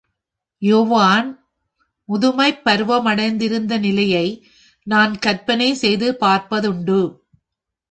யோவான் முதுமைப் பருவமடைந்திருந்த நிலையை நான் கற்பனை செய்து பார்ப்பதுண்டு.